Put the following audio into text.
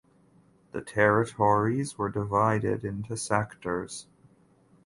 The territories were divided into sectors.